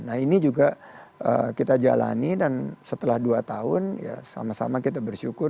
nah ini juga kita jalani dan setelah dua tahun ya sama sama kita bersyukur